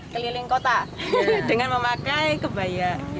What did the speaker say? keliling kota dengan memakai kebaya